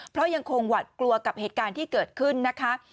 เพราะยังคงหวัดกลัวกับเหตุการณ์ที่เกิดขึ้นนะคะ